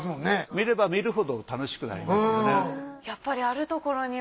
見れば見るほど楽しくなりますよね。